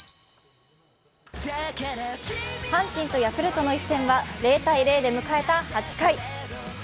阪神とヤクルトの一戦は０−０で迎えた８回。